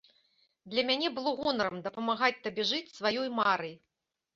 Для мяне было гонарам дапамагаць табе жыць сваёй марай.